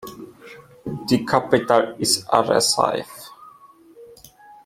The capital is Arrecife.